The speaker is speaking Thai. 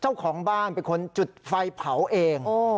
เจ้าของบ้านเป็นคนจุดไฟเผาเอง